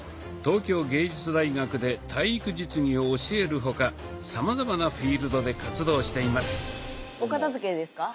東京藝術大学で体育実技を教える他さまざまなフィールドで活動しています。